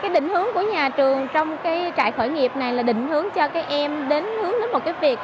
định hướng của nhà trường trong trại khởi nghiệp này là định hướng cho các em đến hướng đến một việc